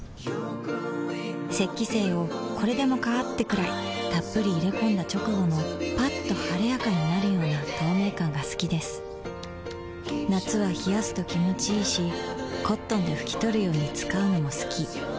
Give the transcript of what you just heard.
雪肌精をこれでもかーってくらいっぷり入れ込んだ直後のッと晴れやかになるような透明感が好きです夏は冷やすと気持ちいいし灰奪肇で拭き取るように使うのも好き